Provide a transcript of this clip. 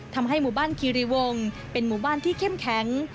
ทำให้หมู่บ้านคีรีวงเป็นหมู่บ้านที่เข้มแข็ง